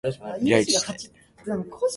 リライトして